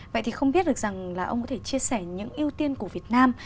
vậy thì không biết được rằng là ông có thể chia sẻ những ưu tiên của việt nam